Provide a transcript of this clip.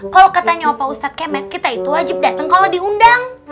kalau katanya pak ustadz kemet kita itu wajib datang kalau diundang